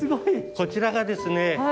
こちらがですね